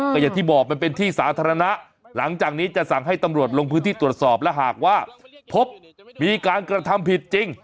ก็อย่างที่บอกมันเป็นที่สาธารณะหลังจากนี้จะสั่งให้ตำรวจลงพื้นที่ตรวจสอบและหากว่าพบมีการกระทำผิดจริง